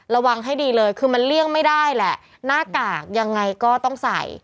ระวังให้ดีเลยคือมันเลี่ยงไม่ได้แหละหน้ากากยังไงก็ต้องใส่